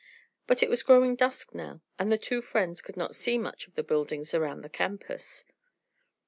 But it was growing dusk now and the two friends could not see much of the buildings around the campus.